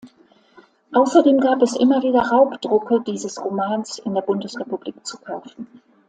Außerdem gab es immer wieder Raubdrucke dieses Romans in der Bundesrepublik zu kaufen.